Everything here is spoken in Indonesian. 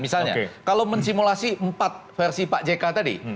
misalnya kalau mensimulasi empat versi pak jk tadi